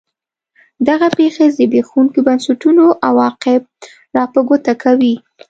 دغه پېښې زبېښونکو بنسټونو عواقب را په ګوته کوي.